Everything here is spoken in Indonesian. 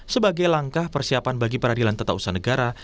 sebagai langkah persiapan bagi peradilan tata usaha negara